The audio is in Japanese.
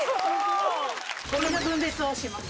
ゴミの分別をします。